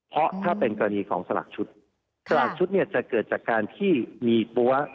เพราะถ้าเป็นกรณีของสลากชุดสลากชุดเนี่ยจะเกิดจากการที่มีปั้ว